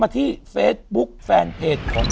อยู่ที่แม่ศรีวิรัยิลครับ